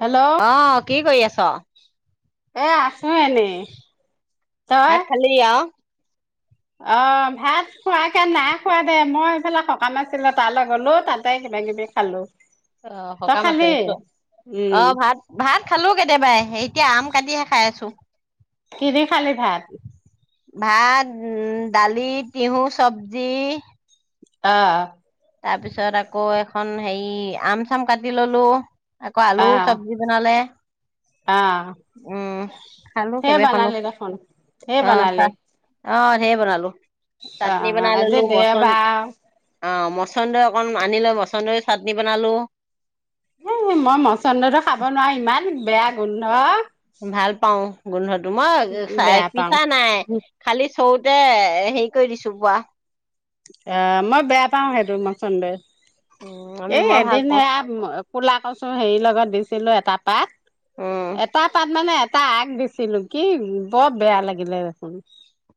Hello আহ কি কৰি আছ এ আছোঁ এনে ভাত খালি আও অ ভাত খোৱাকে নাই খোৱা দে মই এইফালে সকাম আছিলোঁ তালৈ গলোঁ তাতে কিবা কিবি খালোঁ। অ সকাম আছে অ উম ভাত ভাত খালোঁ কেতিয়াবাই সে এতিয়া আম কাটিহে খাই আছোঁ। কেলে খালে ভাত। ভাত উ দালি তিহু চবজি। অ তাৰ পিছত আকৌ এখন হেৰি আম চাম কাটি ললো। আকৌ আলু অ চব্জি বনালে অ উম খালো সেই কেইবাখনো বনালি দেখোন সেই আহ বনালি চাহ আহ। সেই বনালো। অ চাটনি বনাই আজি দেওবাৰ। মচন্দৰ অকণমান আনি লৈ মচন্দৰ চাটনি বনালোঁ? এ মই মচন্দটো খাব নোৱাৰো ইমান বেয়া গোন্ধ। ভাল পাওঁ? গোন্ধ তোমাৰ চাহ বেয়া পাওঁ পিঠা নাই খালি। চৌতে হেৰি কৰি দিছো বোৱা। আহ মই বেয়া পাও সেইটো মচন্দ। উম আমি এ মই ভাল এদিন। পাওঁ কোলা কচু হেৰিৰ লগত দিছিলোঁ এটা পাত। উম এটা তাত মানে এ এটা আগ দিছিলো কি বৰ বেয়া লাগিলে দেখোন।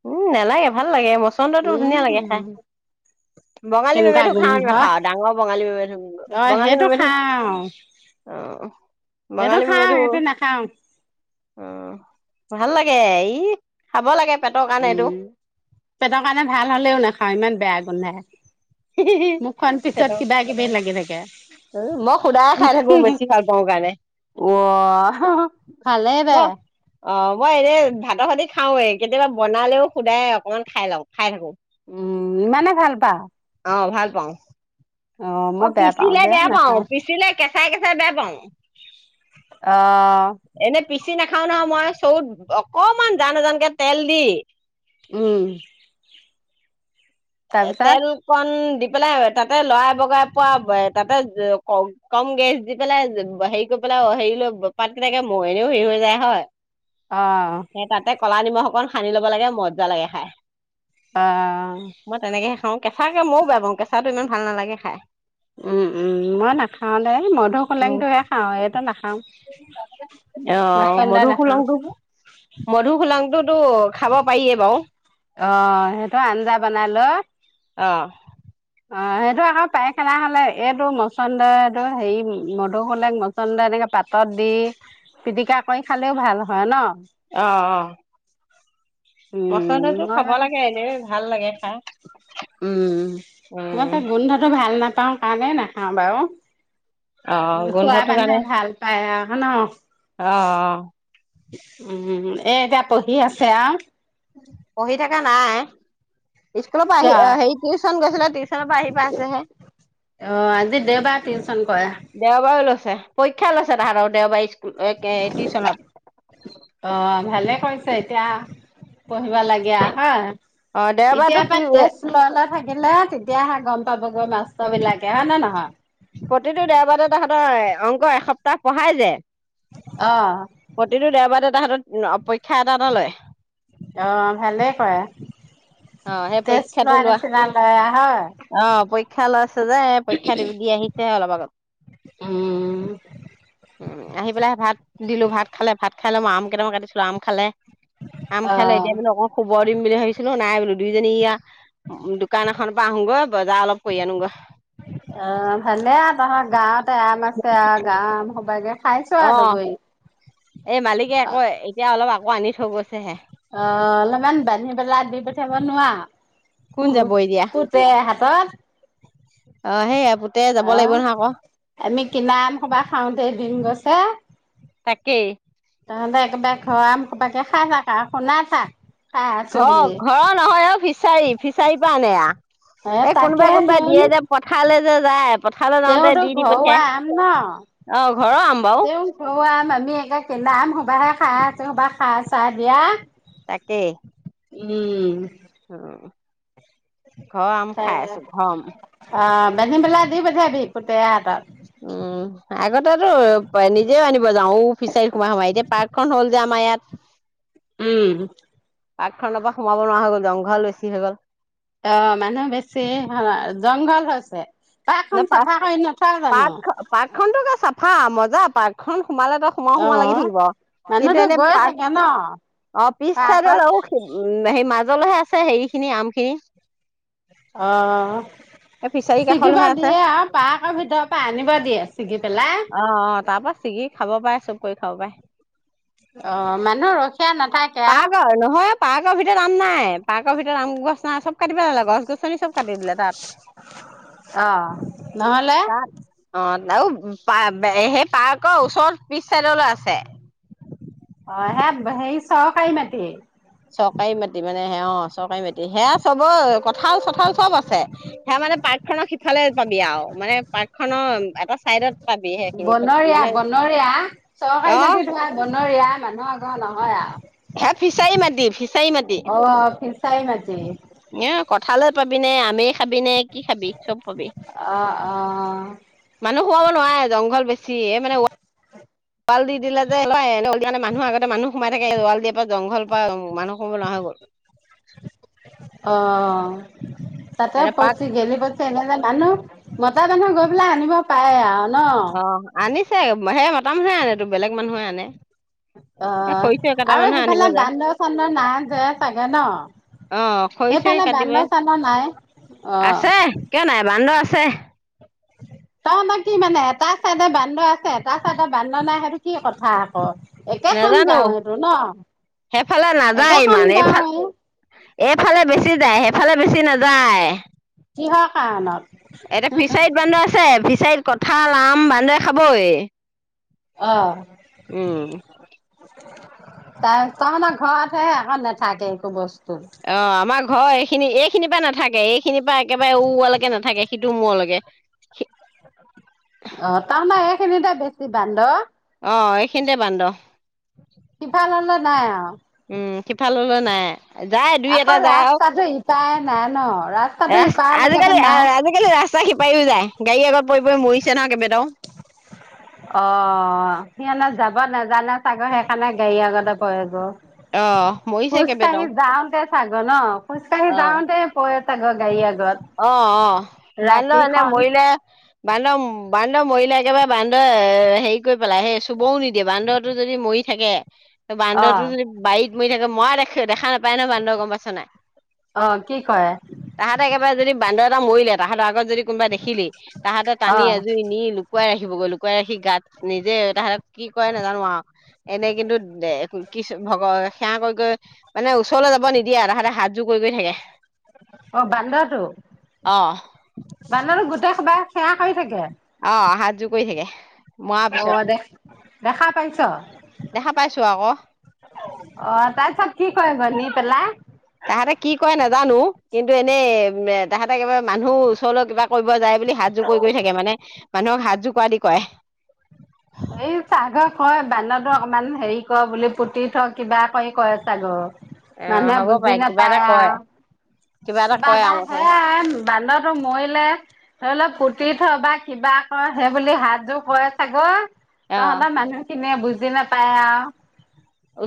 উম নালাগে ভাল লাগে মচন্দটো ধুনীয়া লাগে উম খাই। বঙালী বেবে কেনেকুৱা খাওঁ গোন্ধ নাখাওঁ ডাঙৰ বঙালী বেবে। অ বংঙালী সেইটো বেবে খাওঁ অ। সেইটো খাওঁ সেইটো নাখাও? উম ভাল লাগে ই খাব লাগে। পেটৰ কাৰণে এইটো উম পেটৰ কাৰণে ভাল হলেও নাখাওঁ ইমান। বেগন হ। মুখখন পিছত পেটৰ কিবা কিবি লাগি থাকে মই সুদায় খাই থাকো বেছি ভাল পাওঁ কাৰণে অ ভালেই দে। মই অ মই এনে ভাতৰ ভতি খাও কেতিয়াবা বনালেও সোদায় অকমান খাই লওঁ খাই থাকো? উম ইমানে ভাল পাও? অ ভাল পাওঁ? অ মই বেয়া পাওঁ পিচিলে যে বেয়া পাও নাখাওঁ পিচিলে কে। চাইকে চাই বেয়া পাওঁ? অ এনে পিচি নাখাও নহয় মই চৰুত অকমান জানজানকে তেল দি। উম এ তাৰপিছত তেল কণ দি পেলাই তাতে লৰাই বগাই পোৱা তাতে কম কম গেছ দি পেলাই হেৰি কৰি পেলাই হেৰি লৈ পাত কেনোকে মনেও হেৰি হৈ যায় হয় আহ সেই তাতে কলা নিমখ অকণ সানি ল'ব লাগে মজা লাগে খাই অ মই তেনেকেহে খাওঁ। কেঁচাকে ময়ো বেয়া পাওঁ। কেঁচাটো ইমান ভাল নালাগে খাই। উম উম মই নাখা খাওঁ দে উম, মধুহোলেংটোহে খাওঁ এইটো নাখাওঁ। অ নাখাওঁ মধূহুলেংটো মধুহুলেং টোতো খাব পাৰিয়ে বাৰু। আহ সেইটো আঞ্জা বনাই লৈ। অ অ সেইটো আকৌ পায়খানা হলে এইটো মচন্দৈ এইটো হেৰি মধুহুলেং মসন্দৈএনেকে পাতত দি পিটিকা কৰি খালে ভাল হয় ন। আহ আহ উম মচন্দতটো মই খাব লাগে এনে ভাল লাগে খাই উম মই উম তাক গোন্ধটো ভাল ভাল নাপাওঁ কাৰণে নাখাওঁ বাৰু অ উ খোৱা গোন্ধটো মানুহে কাৰণে ভাল পায় আৰু ন অ উম এ এতিয়া পঢ়ি আছে আৰু। পঢ়ি থকা নাই স্কুলৰ পৰা আহি কিয় হেৰি টিউচন গৈছিলে টিউচনৰ পৰা আহি পাইছেহে অ আজি দেওবাৰ টিউচন কৰে দেওবাৰেও লৈছে‌। পৰীক্ষা লৈছে তাহাঁতৰ দেওবাৰ একে টিউচনত অ', ভালে কৰিছে এতিয়া পঢ়িবা লাগে হা অ দেওবাৰতো এতিয়াৰ পৰা তেজ লৈ লৈ থাকে আহিলে তেতিয়াহে গম পাবগৈ মাস্ত বিলাকে হয় নে নহয়? প্ৰতিটো দেওবাৰে তাহঁতৰ অংক এসপ্তাহ পঢ়াই যে অ'। প্ৰতিটো দেওবাৰ এ হাতত অ পৰীক্ষা এটা এটা লয় অহ ভালেই কয় আহ সেই পৰীক্ষাটো লোৱা হয়। আহ পৰীক্ষা লৈছে যে পৰীক্ষা দি দি আহিছে অলপ আগত উম। উ আহি পেলাই ভাত দিলো ভাত খালে ভাত খালে মই আম কেইটাম কাটিছিলো আম খালে আম খালে অ'। এতিয়া মানে অক শুবৰ দিম বুলি ভাবিছিলো নাই বোলে দুইজনী ইয়া দোকান এখনৰ পৰা আহোগৈ বজাৰ অলপ কৰি আনোগৈ আহ ভালে তহৰ গাঁৱতে আম আছে আৰু গাঁৱৰ আম খাবাগে। খাইছোৱা অ দ গৈ? এই মালিকে আকৌ এতিয়া অলপ আগত পানী থৈ গৈছেহে। অ অলপমান বান্ধি পেলা দি পঠাবনোৱা? কোন উ যাব এতিয়া পুতে হাতত। অ সেই পুতে যাব অ লাগিব নহয় আকৌ আমি কিনা আম খোপা খাওতে দিন গছে। ছা তাকেই। তহত একেবাৰে ঘৰ আম খোপা খাই থাক আৰু শুনাই থাক। খাই আছো ঘৰ বুলি। ঘৰৰ নহয় অ ফিচাৰী ফিচাৰীৰ পৰা আনে এ আ এই তাকে কোনোবাই কোনোবাই তোন দিয়ে যে পথাৰলৈ যে যায় পথাৰলৈ যাওঁতে তেওঁতো দি দি ঘৰুৱা পঠিয়াই আম ন। অ। ঘৰৰ আম বাৰু তেওঁ ঘৰৰ আম আনি একে কিনা আম হোপা কিবাহে খাই আছা হপাই খা চাহ দিয়া, তাকে উম। উম ঘৰৰ আম হ খাই আছো ঘৰৰ আম অ বান্ধি পেলাই দি পঠিয়াবি পুতে হাত। উম আগতেতো নিজেও আনিব যাওঁ ফিচাৰী সোমাই সোমাই এতিয়া পাৰ্কখন হ'ল যে আমাৰ ইয়াত। উম পাক খণ্ডৰ পৰা সোমাব নোৱাৰা হৈ'ল জংঘল বেছি হৈ গল। অ মানুহ বেছি জংঘল হৈছে পাৰ্কখন চাফা কৰি নথয় জানো? পাক খন টো চাফা মজা যা পাৰ্কখন সোমালে তো সোমোৱা অ সোমোৱা লাগি থাকিব কিন্তু মানুহতো এনে গৈ পা থাকে ন অ পিছ চাইড পাৰ্কত। উ সে মাছ নিজৰেলহে আছে হেৰি খিনি আম খিনি। অ এই ফিচাৰী শিখিবা কাষলৈহে আছে দিয়ে অ পাৰ্কৰ ভিতৰৰ পৰা আনিব দিয়ে ছিগি পেলাই। অ অ তাৰ পৰা ছিগি খাব পায় চব কৰি খাব পায় অ মানুহ ৰখিয়া নাথাকে আৰু পাৰ্কৰ নহয় পাৰ্কৰ ভিতৰত আম নাই। পাৰ্কৰ ভিতৰত আম গছ চ চব কাটিব লালে গছ গছনি চব কাটি দিলে তাত অ নহলে তাত অ আৰু প সেই পাৰ্কৰ ওচৰত পিছ চাইডলৈ আছে অ সে হেৰি চৰকাৰী মাটি চৰকাৰী মাটি মানে হে অ চৰকাৰী মাটি সেয়া চবৰ কঁঠাল চঠাল চব আছে সেয়া মানে পাৰ্কখনক সিফালে পাবি আৱ মানে পাৰ্ক খনৰ এটা চাইডত পাবি সেইখিনি বনৰীয়া মানে বনৰীয়া অ চৰকাৰী মাটি থোৱা বনৰীয়া মানুহ ঘৰ নহয় আৱ আ ফিচাৰী মাতি ফি অ ফিছ ফিচাই মাতি এ কঁঠালে পাবিনে আমে খাবি নে কি খাবি চব পাবি অ' অ' মানুহ খোৱাব নোৱাৰে জংঘল বেছি এ মানে টিপাল দি দিলে যে মানুহ আগতে মানুহ সোমাই থাকে ৱাল দিব জংঘল পা মানুহ সোমাব নোৱাৰা হৈ গ'ল অহ তাতে এতিয়া পাৰ্ক পছি গেলি পছি এনে জে নানো মতা মানুহ গৈ পেলাই আনিব পাৰে আৱ অ আনিছে সে মতা মানুহে আনেতো বেলেগ মানুহে আনে অ এ খৰি চৰি কটা আৰু মানুহে আনিব সেইফালে যায় বান্দৰ চান্দৰ নাই যে চাগে ন অ', খৰি চৰি সেইফালে কাটিব। বান্দৰ চান্দৰ নাই অ আছে কিয় নাই বান্দৰ আছে। তই ন কি মানে এটা চাইডে বান্দৰ আছে এটা চাইডে বান্দৰ নাই সেইটো কি কথা আক একেখন নাজানো। গাঁৱেটো ন সেইফালে নাযায় একেখন ইমান এইফাল গাঁৱে এইফালে বেছি যায় সেইফালে বেছি নেযায় যায় কিহৰ কাৰণত এতিয়া ফিচাৰীত বান্দৰ আছে ফিছাৰীত ক'ত কঁঠাল আম বান্দৰে খাবই অ উম তাৰ তহঁতৰ ঘৰত হে আক নেথাকে একো বস্তু। অ আমাৰ ঘৰ এইখিনি এই এইখিনি পা নেথাকে। খিনিৰ পৰা একেবাৰে উৱা লৈকে নেথাকে। সিটো মোৰ লগে অ তামানে এইখিনিতে বেছি বান্দৰ। অ এইখিনিতে বান্দ। সিফাল হ'লে নাই আও। উম সিফাললৈ নাই। যায় দুই আকৌ এটা যায় আও ৰাস্তাটো ইপাৰে নাই ন ৰাস্তাটো ৰাস্ত ইপাৰলৈকেতো আজিকালি নাই আজিকালি ৰাস্তা শিপাইও যায় গাড়ী আগত পৰি পৰি মৰিছে ন কেইবাটাও। অ আন্দাজ যাব নেজানে চাগে সেইকাৰণে গাড়ী আগতে পৰে গে অ', মৰিছে খোজ কেইবাটাও। কাঢ়ি যাওঁতে চাগে ন খোজ কাঢ়ি অ', যাওঁতে পয়। ছাগে গাড়ী আগত অ অ বান্দৰ এনে ৰাতিখন মৰিলে বান্দ বান্ধ মৰিলে একেবাৰে বান্দৰ হেৰি কৰি পেলাই সেই চুবও নিদিয়ে বান্দৰটো যদি মৰি থাকে। অ বান্দৰতো যদি বাইত। মৰি থাকে মৰা দেখে দেখা না। পাই ন বান্দৰ গম পাইছ নাই অ কি কয় তাহাঁতে একে। বান্দৰ এটা মৰিলে তাহাঁৰ আগত যদি কোনোবা দেখি তাহাঁতৰ অ টানি আজুৰি নি লুকুৱাই ৰাখিব গৈ লুকুৱাই ৰাখি গাত নিজে তাহাঁত কি কৰে নাজানো আও আৰু এনে কিন্তু কিছ ভগ সেৱা কয়ি কয়ি মানে ওচৰলৈ যাব নিদিয়ে তাহাতে হাত। যোৰ কৰি গৈ থাকে। অ বান্দত অহ! বান্দৰটো গোটেই সোপাই সেৱা কৰি থাকে। অ হাতযোৰ কৰি থাকে। মৰাৰ অ পিছত দে। দেখা পাইছা দেখা পাইছো আকৌ। অ তাৰপিছত কি কয় ব নি পেলাই? তাহাঁতে কি কৰে নাজানো কিন্তু এনেই তাহাঁতে একবাৰে মানুহ ওচৰলৈ কিবা কৰিব যায় বুলি হাত জোৰ কৰি থাকে মানে মানুহক হাত জোৰ কৰাদি কয়। ই চাঘব। হয় বান্দৰটো অকমান হেৰি ক বুলি পুতি থ কিবা কৰি কয় চাগে অ মানুহে হ'ব বুজি পাৰে কিবা এটা নোপায় কয় আও কিবা কয় এটা আৰু মুঠতে হে বান্দত টো মৰিলে ধৰি লও পুতি থয় বা কিবা কৰে সেই বুলি হাতযোৰ কৰে চাগৈ। অ তহঁতৰ মানুহ খিনিয়ে বুজি নাপায় আৰু।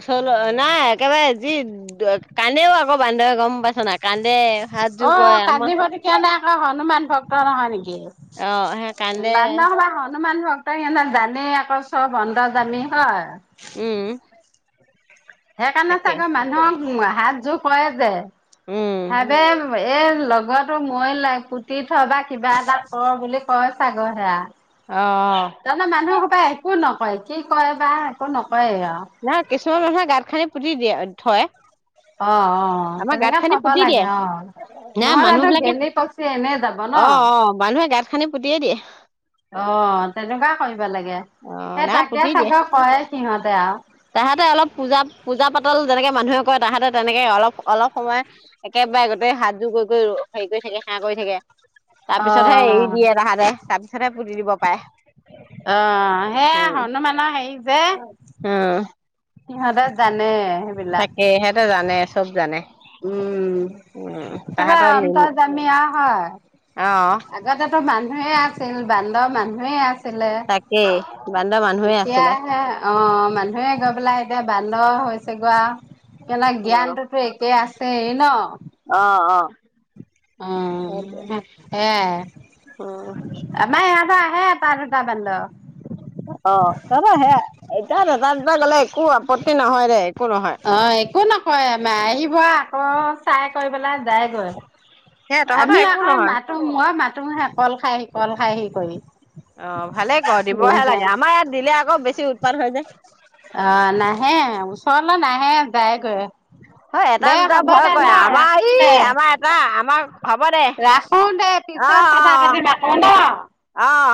ওচৰলৈ নাই একেবাৰে যি দ - কান্দেও আকৌ বান্দৰে গম পাইছ নাই? কান্দে হাতযোৰ অ কৰে আমাৰ কান্দিব তো হলে আকৌ হনুমান। ভক্ত নহয় নেকি? অ সেই কান্দে [unintelligible] বান্দৰ সদায় [unintelligible] হনুমান ভক্ত সিহঁতে জানেই আকৌ চব অন্তৰ্যামী হয়। উম। সেইকাৰণে তাকে চাগৈ মানুহক উৱা হাতযোৰ কৰে যে উম [unintelligible] লগৰতো মই লও- পুতি থবা কিবা এটা কৰে বুলি কয় চাগে সেইয়া। অ। [unintelligible] একো নকয় কি কয় বা একো নকয়। না কিছুমান মানুহে গাত খান্দি পুতি পুতি দিয়ে থয়। অ, অ, অ আমাৰ গাঁত তেনেকা খানি থব পুতি লাগে দিয়ে অ। না নহলে মানুহ তো বিলাকে গেলি পচি এনে যাব ন? অ অ মানুহে গাঁত খানি পুতিয়ে দিয়ে অ তেনেকুৱা কৰিব লাগে, অ' সেই নাই তাকে পুতি দিয়ে চাগে কয় সিহঁতে আৰু। তাহাঁতে অলপ পূজা পূজা পাতল যেনেকে মানুহে কয় তাহাঁতে তেনেকে অলপ অলপ সময়, একেবাৰে গোটেই হাতযোৰ কৰি [inaudible] কৰিব হেৰি কৰি থাকে, সেৱা কৰি থাকে। অ তাৰপিছতহে, এৰি দিয়ে তাহাঁতে। তাৰপিছতহে পুতি দিব পাৰে। অ সেইয়া, উম হনুমানৰ হেৰি যে। উম সিহঁতে জা তাকে, সেইটো জানে। চব জানে। উম। উম [unintelligible] সেইহে তাহাঁতৰ লীল অন্তৰ্যামীয় হয়। অ' আগতে তো মান মানুহে আছিল বান্দৰ, মানুহে আছিল। তাকেই বান্দৰ ছিলে। মানুহে আছিলে এতিয়াহে, অ মানুহে গৈ পেলাই এতিয়া বান্দৰ হৈছে। [unintelligible] কেলা অ' জ্ঞানটোতো একে আছে। তে ন [unintelligible] অ, অ অ সেইটোৱে সেয়াই, উম আমাৰ ইয়াৰপৰা হে, পাৰটা বান্দৰ অ হব সেইয়া, এতিয়া এটা, দুটা গলে একো আপত্তি নহয় দে একো নহয় অ একো নকৰে, মাৰিব আকৌ, চাই কৰি পেলাই যায়গৈ সে তহঁতৰ আমি একো আকৌ, নহয় মাতো মই মাতো কল খা হি কল খা হি কৰি। অ, ভালে কৰে। দিবহে নাহে লাগে আমাৰ ইয়াত দিলে আকৌ বেছি উৎপাত হৈ যে। চল নাহে যায় গৈ [unintelligible] হয়, এটা দুটা ভয় কৰে আমাৰ ৰাখো এই দে। আমাৰ এটা আমাৰ। হ'ব দে ৰাখো দে অ পিছৰ কথা অ পাতিম আকৌ ন। অ অ